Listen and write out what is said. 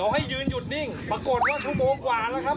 ให้ยืนหยุดนิ่งปรากฏว่าชั่วโมงกว่าแล้วครับ